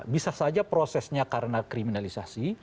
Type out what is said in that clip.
bisa saja prosesnya karena kriminalisasi